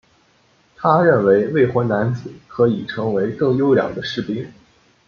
他认为未婚男子可以成为更优良的士兵。